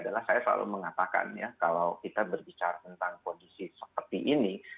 adalah saya selalu mengatakan ya kalau kita berbicara tentang kondisi seperti ini